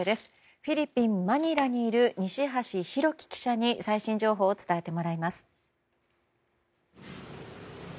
フィリピン・マニラにいる西橋拓輝記者に最新情報を伝えてもらいます。